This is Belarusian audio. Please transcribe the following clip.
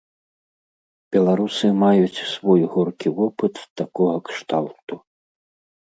Беларусы маюць свой горкі вопыт такога кшталту.